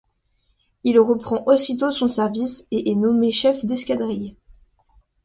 Il reprend aussitôt son service et est nommé chef d'escadrille.